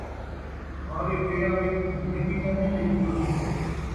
تہاݙے پیراں وچ میندی تاں نئیں لڳی ہوئی